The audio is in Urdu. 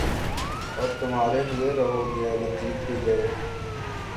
اور تُمہارے ہوئے رہو گے اگر جیت بھی گئے